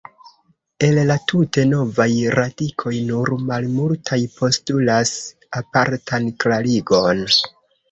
El la tute novaj radikoj, nur malmultaj postulas apartan klarigon.